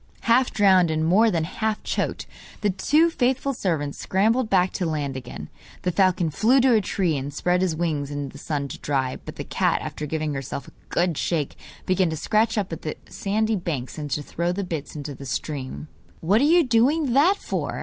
Half drowned, and more than half choked, the two faithful servants scrambled back to land again. The falcon flew to a tree and spread his wings in the sun to dry, but the cat, after giving herself a good shake, began to scratch up the sandy banks and to throw the bits into the stream. 'What are you doing that for?